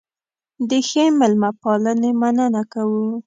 د ښې مېلمه پالنې مننه کوو.